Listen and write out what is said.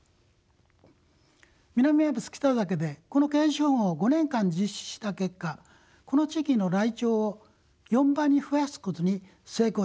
南アルプス北岳でこのケージ保護を５年間実施した結果この地域のライチョウを４倍に増やすことに成功しました。